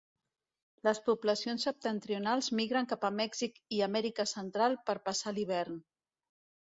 Les poblacions septentrionals migren cap a Mèxic i Amèrica Central per passar l'hivern.